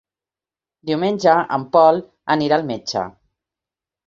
Diumenge en Pol anirà al metge.